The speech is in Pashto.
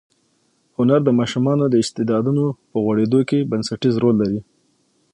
هنر د ماشومانو د استعدادونو په غوړېدو کې بنسټیز رول لري.